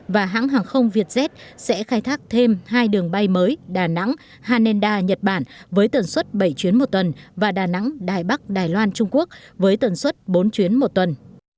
và hãng hàng không vietjet sẽ khai thác thêm hai đường bay mới đà nẵng hanenda nhật bản với tần suất bảy chuyến một tuần và đà nẵng đài bắc đài loan trung quốc với tần suất bốn chuyến một tuần